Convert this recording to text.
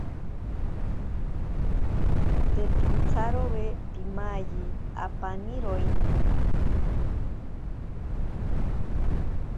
Te pintsarowe pimayi apaniroini.